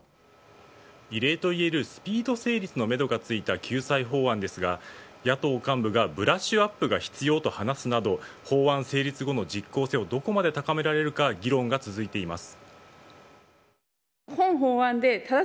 異例といえるスピード成立のめどがついた救済法案ですが野党幹部がブラッシュアップが必要と話すなど法案成立後の実効性をどこまで高められるか議論が続いています。